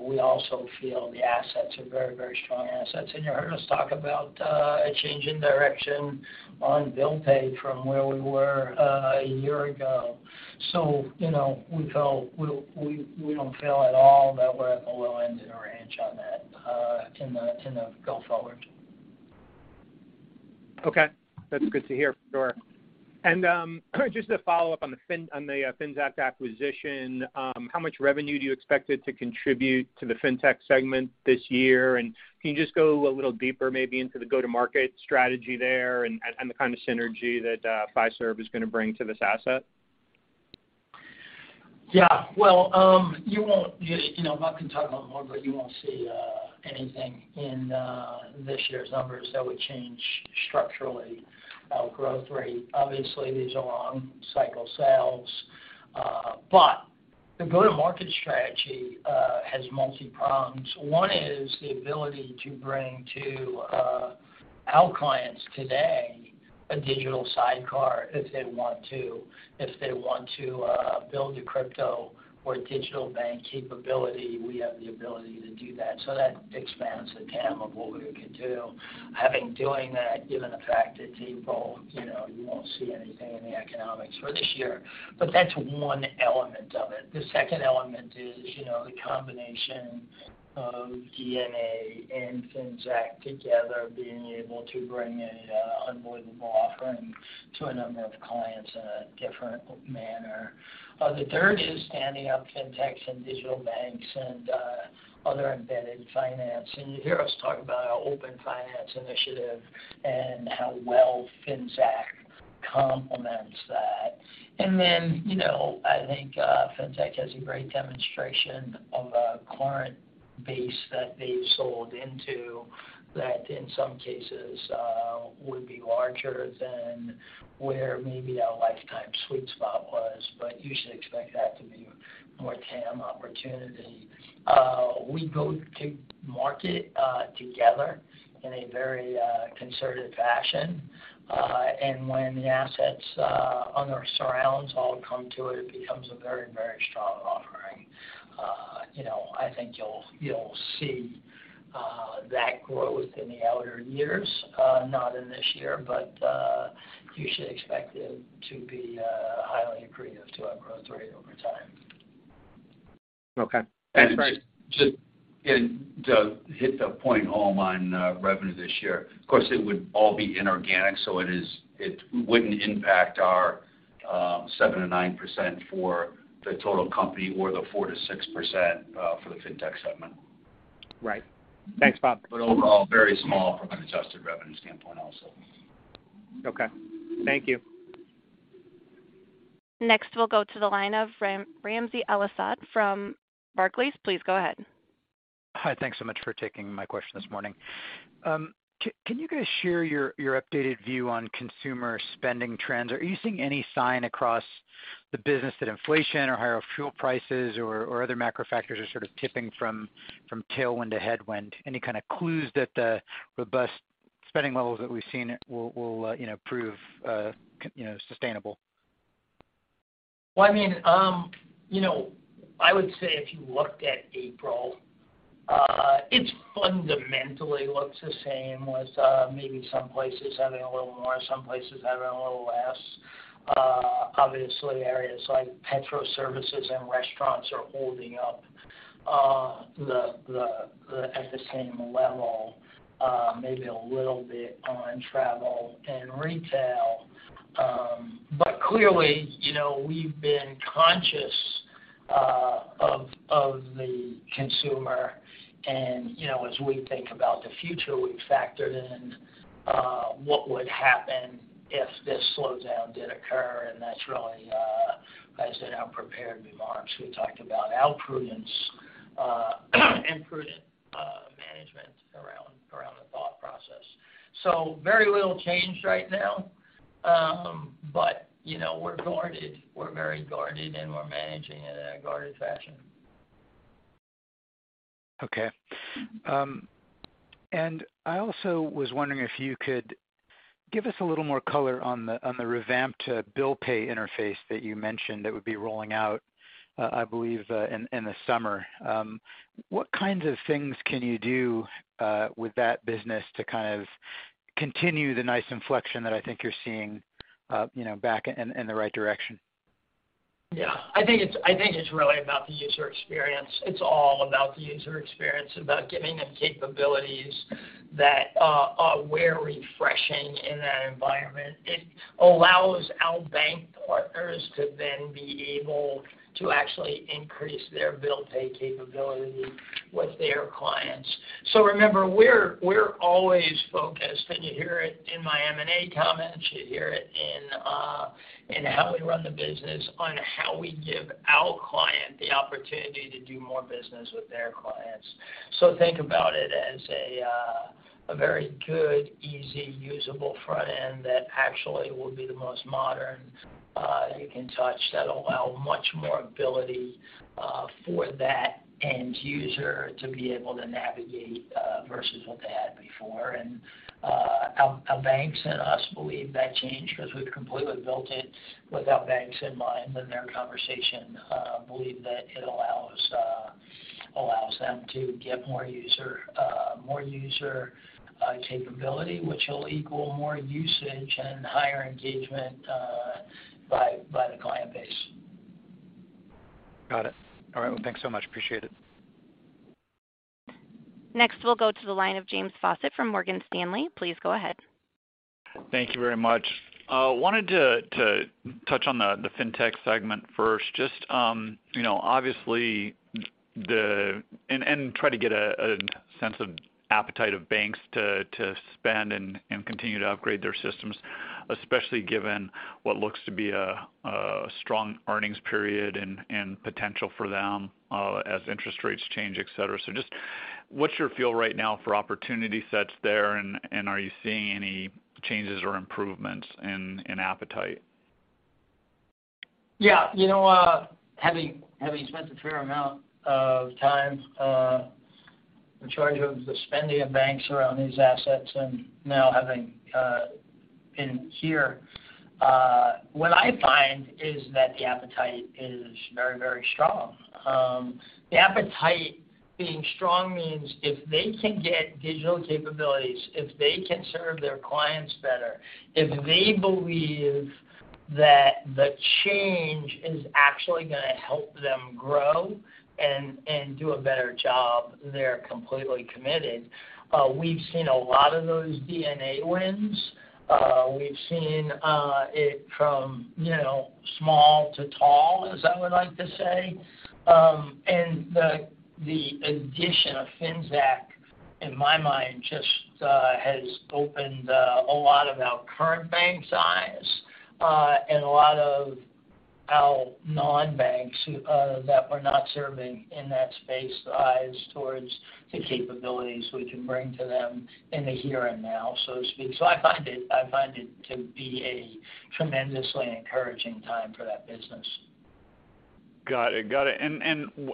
We also feel the assets are very strong assets. You heard us talk about a change in direction on bill pay from where we were a year ago. You know, we don't feel at all that we're at the low end of the range on that in the going forward. Okay. That's good to hear. Sure. Just to follow up on the Finxact acquisition, how much revenue do you expect it to contribute to the FinTech segment this year? Can you just go a little deeper maybe into the go-to-market strategy there and the kind of synergy that Fiserv is gonna bring to this asset? Yeah. Well, you know, Bob can talk about more, but you won't see anything in this year's numbers that would change structurally our growth rate. Obviously, these are long cycle sales. The go-to-market strategy has multi prongs. One is the ability to bring to our clients today a digital sidecar if they want to. If they want to build a crypto or digital bank capability, we have the ability to do that. So that expands the TAM of what we can do. Having doing that, given the fact it's April, you know, you won't see anything in the economics for this year. That's one element of it. The second element is, you know, the combination of DNA and Finxact together being able to bring an unbelievable offering to a number of clients in a different manner. The third is standing up fintechs and digital banks and other embedded finance. You hear us talk about our open finance initiative and how well Finxact complements that. You know, I think Finxact has a great demonstration of a client base that they sold into that in some cases would be larger than where maybe our lifetime sweet spot was. You should expect that to be more TAM opportunity. We go to market together in a very concerted fashion. When the assets on their surrounds all come to it becomes a very, very strong offering. You know, I think you'll see that growth in the outer years not in this year. You should expect it to be highly accretive to our growth rate over time. Okay. Just, you know, to hit the point home on revenue this year. Of course, it would all be inorganic, so it wouldn't impact our 7%-9% for the total company or the 4%-6% for the Fintech segment. Right. Thanks, Bob Hau. Overall, very small from an adjusted revenue standpoint also. Okay. Thank you. Next, we'll go to the line of Ramsey El-Assal from Barclays. Please go ahead. Hi. Thanks so much for taking my question this morning. Can you guys share your updated view on consumer spending trends? Are you seeing any sign across the business that inflation or higher fuel prices or other macro factors are sort of tipping from tailwind to headwind? Any kind of clues that the robust spending levels that we've seen will you know prove you know sustainable? Well, I mean, you know, I would say if you looked at April, it fundamentally looks the same with, maybe some places having a little more, some places having a little less. Obviously areas like petrol services and restaurants are holding up at the same level. Maybe a little bit on travel and retail. But clearly, you know, we've been conscious of the consumer. You know, as we think about the future, we've factored in what would happen if this slowdown did occur, and that's really, as in our prepared remarks, we talked about our prudence and prudent management around the thought process. Very little change right now. But, you know, we're guarded. We're very guarded, and we're managing it in a guarded fashion. Okay. I also was wondering if you could give us a little more color on the revamped bill pay interface that you mentioned that would be rolling out, I believe, in the summer. What kinds of things can you do with that business to kind of continue the nice inflection that I think you're seeing, you know, back in the right direction? Yeah. I think it's really about the user experience. It's all about the user experience, about giving them capabilities that we're refreshing in that environment. It allows our bank partners to then be able to actually increase their bill pay capability with their clients. Remember, we're always focused, and you hear it in my M&A comments, you hear it in how we run the business on how we give our client the opportunity to do more business with their clients. Think about it as a very good, easy, usable front end that actually will be the most modern touchscreen that allows much more ability for that end user to be able to navigate versus what they had before. Our banks and us believe that change because we've completely built it with our banks in mind, and they believe that it allows them to get more user capability, which will equal more usage and higher engagement by the client base. Got it. All right. Well, thanks so much. Appreciate it. Next, we'll go to the line of James Faucette from Morgan Stanley. Please go ahead. Thank you very much. Wanted to touch on the fintech segment first, just obviously try to get a sense of appetite of banks to spend and continue to upgrade their systems, especially given what looks to be a strong earnings period and potential for them as interest rates change, et cetera. Just what's your feel right now for opportunity sets there, and are you seeing any changes or improvements in appetite? Yeah. You know, having spent a fair amount of time in charge of the spending of banks around these assets and now having been here, what I find is that the appetite is very, very strong. The appetite being strong means if they can get digital capabilities, if they can serve their clients better, if they believe that the change is actually gonna help them grow and do a better job, they're completely committed. We've seen a lot of those DNA wins. We've seen it from, you know, small to tall, as I would like to say. The addition of Finxact, in my mind, just has opened a lot of our current banks' eyes and a lot of our non-banks that we're not serving in that space eyes towards the capabilities we can bring to them in the here and now, so to speak. I find it to be a tremendously encouraging time for that business. Got it.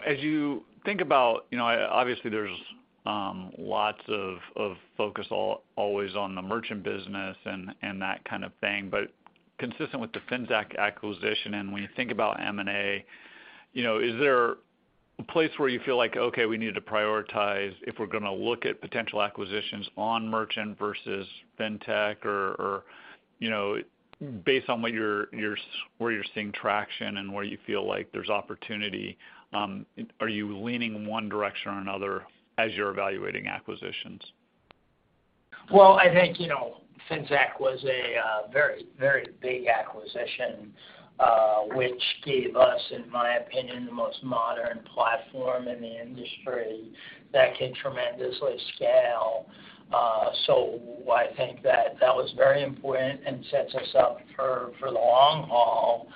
As you think about, you know, obviously there's lots of focus always on the merchant business and that kind of thing, but consistent with the Finxact acquisition and when you think about M&A, you know, is there a place where you feel like, okay, we need to prioritize if we're gonna look at potential acquisitions on merchant versus fintech or, you know, based on what you're seeing, where you're seeing traction and where you feel like there's opportunity, are you leaning one direction or another as you're evaluating acquisitions? Well, I think Finxact was a very big acquisition, which gave us, in my opinion, the most modern platform in the industry that can tremendously scale. I think that was very important and sets us up for the long haul.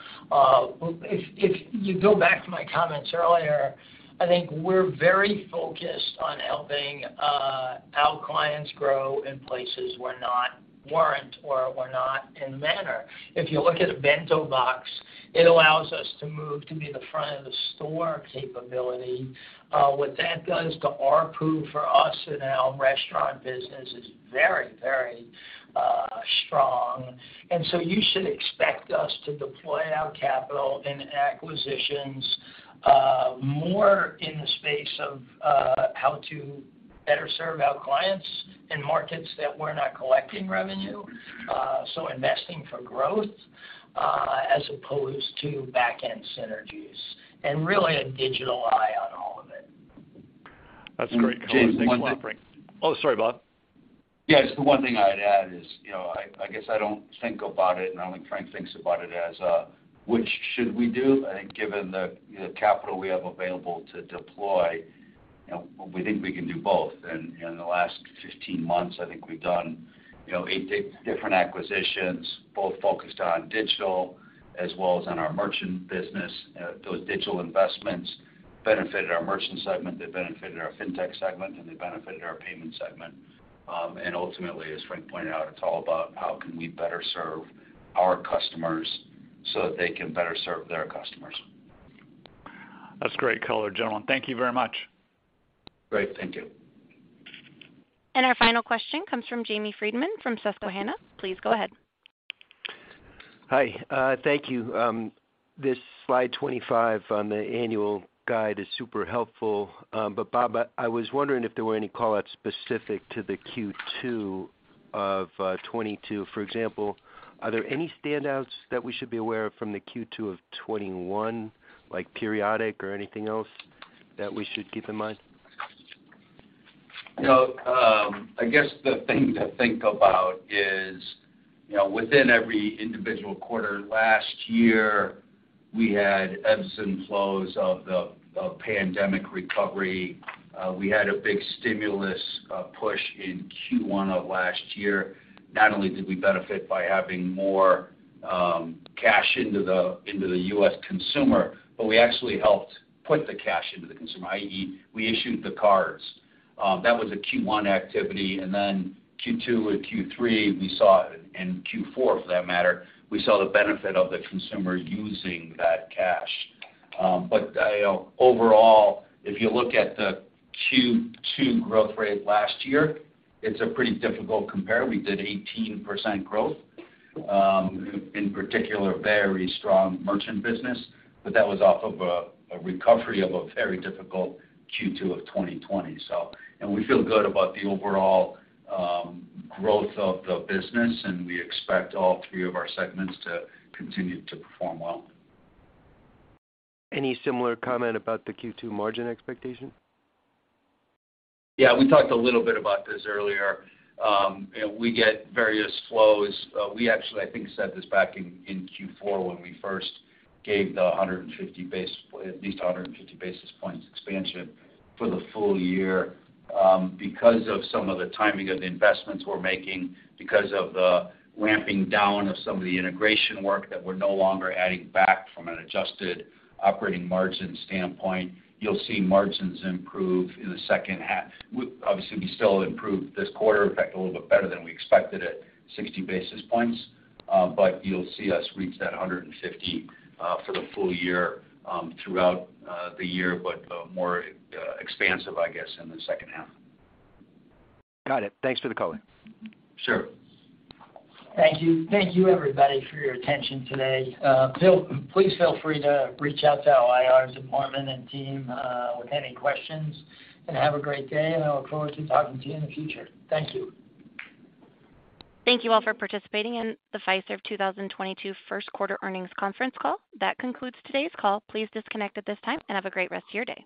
If you go back to my comments earlier, I think we're very focused on helping our clients grow in places we're not anymore. If you look at BentoBox, it allows us to move to be the front-of-the-store capability. What that does to ARPU for us in our restaurant business is very strong. You should expect us to deploy our capital in acquisitions, more in the space of how to better serve our clients in markets that we're not collecting revenue, so investing for growth, as opposed to back-end synergies, and really a digital eye on all of it. That's great color. Thanks, Frank. James, one thing. Oh, sorry, Bob. Yes. The one thing I'd add is, you know, I guess I don't think about it, and I don't think Frank thinks about it as, which should we do. I think given the capital we have available to deploy, you know, we think we can do both. In the last 15 months, I think we've done, you know, eight to 10 different acquisitions, both focused on digital as well as on our merchant business. Those digital investments benefited our merchant segment, they benefited our fintech segment, and they benefited our payment segment. Ultimately, as Frank pointed out, it's all about how can we better serve our customers so that they can better serve their customers. That's great color, gentlemen. Thank you very much. Great. Thank you. Our final question comes from Jamie Friedman from Susquehanna. Please go ahead. Hi. Thank you. This slide 25 on the annual guide is super helpful. Bob, I was wondering if there were any call-outs specific to the Q2 of 2022. For example, are there any standouts that we should be aware of from the Q2 of 2021, like periodic or anything else that we should keep in mind? You know, I guess the thing to think about is, you know, within every individual quarter, last year, we had ebbs and flows of the pandemic recovery. We had a big stimulus push in Q1 of last year. Not only did we benefit by having more cash into the U.S. consumer, but we actually helped put the cash into the consumer, i.e., we issued the cards. That was a Q1 activity. Q2 or Q3, we saw it in Q4 for that matter, we saw the benefit of the consumer using that cash. You know, overall, if you look at the Q2 growth rate last year, it's a pretty difficult compare. We did 18% growth, in particular, very strong merchant business, but that was off of a recovery of a very difficult Q2 of 2020. We feel good about the overall growth of the business, and we expect all three of our segments to continue to perform well. Any similar comment about the Q2 margin expectation? Yeah, we talked a little bit about this earlier. We get various flows. We actually, I think, said this back in Q4 when we first gave at least 150 basis points expansion for the full year. Because of some of the timing of the investments we're making, because of the ramping down of some of the integration work that we're no longer adding back from an adjusted operating margin standpoint, you'll see margins improve in the second half. Obviously, we still improved this quarter. In fact, a little bit better than we expected it, 60 basis points. You'll see us reach that 150 for the full year throughout the year, but more expansive, I guess, in the second half. Got it. Thanks for the color. Sure. Thank you. Thank you, everybody, for your attention today. Please feel free to reach out to our IR department and team with any questions. Have a great day, and I look forward to talking to you in the future. Thank you. Thank you all for participating in the Fiserv 2022 first quarter earnings conference call. That concludes today's call. Please disconnect at this time, and have a great rest of your day.